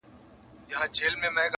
څارنوال چي د قاضي دې کار ته ګوري.